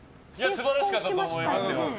素晴らしかったと思いますよ。